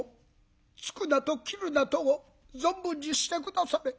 突くなど斬るなど存分にして下され」。